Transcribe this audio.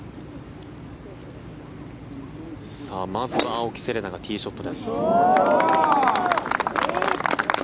まずは青木瀬令奈がティーショットです。